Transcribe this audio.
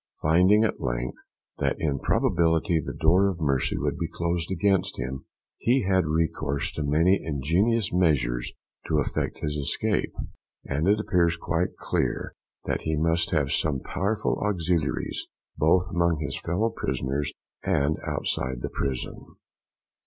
Finding, at length, that in all probability the door of mercy would be closed against him, he had recourse to many ingenious measures to effect his escape; and it appears quite clear, that he must have some powerful auxiliaries, both among his fellow prisoners and outside of the prison.